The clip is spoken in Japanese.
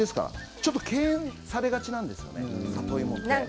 ちょっと敬遠されがちなんですよね、里芋って。